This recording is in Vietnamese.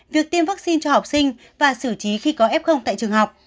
việc tiêm vaccine cho học sinh và xử trí khi có f tại trường học